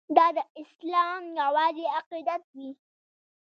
دا اصلاً یوازې عقیدت وي.